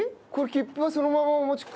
切符はそのままお持ちください。